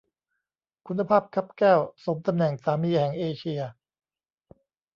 คุณภาพคับแก้ว สมตำแหน่งสามีแห่งเอเชีย